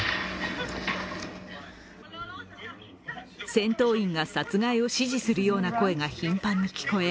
戦闘員が殺害を指示するような声が頻繁に聞こえ